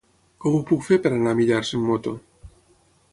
Com ho puc fer per anar a Millars amb moto?